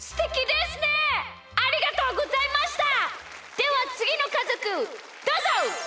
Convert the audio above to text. ではつぎのかぞくどうぞ！